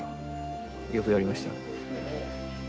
よくやりました。